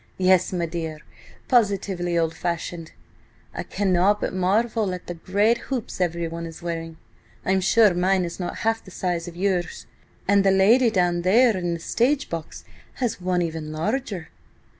–yes, my dear, positively old fashioned! ... I cannot but marvel at the great hoops everyone is wearing! I am sure mine is not half the size of yours, and the lady down there in the stage box has one even larger!"